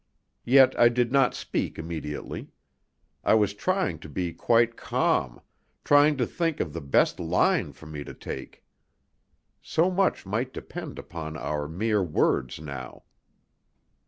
Yet I did not speak immediately. I was trying to be quite calm, trying to think of the best line for me to take. So much might depend upon our mere words now.